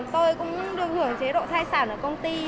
tôi cũng được hưởng chế độ thai sản ở công ty